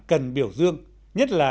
cần biểu dương nhất là